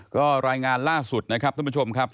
ก็รายงานล่าสุดนะครับท่านผู้ชมครับ